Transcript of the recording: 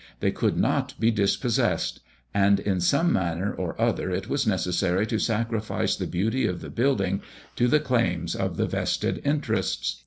They could not be dispossessed; and in some manner or other it was necessary to sacrifice the beauty of the building to the claims of the vested interests.